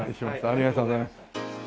ありがとうございます。